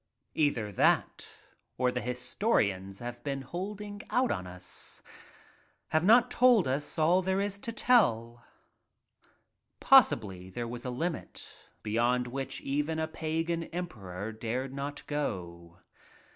Either that or the historians have been holding* out on us— have not told us all there is to tell. Possibly there was a limit beyond which even a Pagan emperor dared not go.